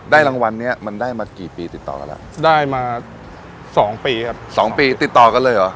รางวัลเนี้ยมันได้มากี่ปีติดต่อกันแล้วได้มาสองปีครับสองปีติดต่อกันเลยเหรอ